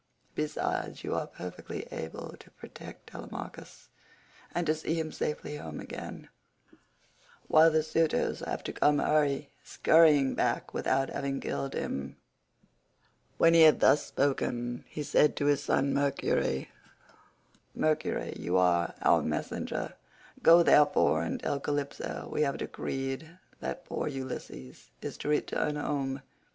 Besides, you are perfectly able to protect Telemachus, and to see him safely home again, while the suitors have to come hurry skurrying back without having killed him." When he had thus spoken, he said to his son Mercury, "Mercury, you are our messenger, go therefore and tell Calypso we have decreed that poor Ulysses is to return home.